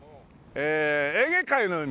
エーゲ海の海。